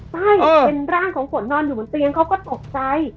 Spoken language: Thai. ไม่เป็นร่างของฝนนอนอยู่บนเตียงเขาก็ตกใจ